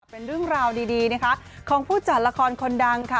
เป็นเรื่องราวดีนะคะของผู้จัดละครคนดังค่ะ